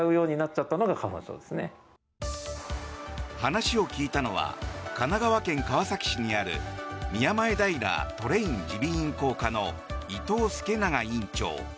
話を聞いたのは神奈川県川崎市にある宮前平トレイン耳鼻咽喉科の伊東祐永院長。